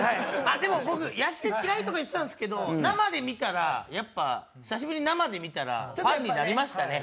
でも僕「野球嫌い」とか言ってたんですけど生で見たらやっぱ久しぶりに生で見たらファンになりましたね。